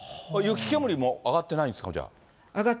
雪煙も上がってないんですか、じゃあ。